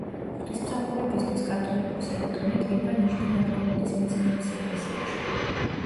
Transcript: ღვთისმსახურებისთვის კათოლიკოსი ანტონი დგება ნიჟნი–ნოვგოროდის მიძინების ეკლესიაში.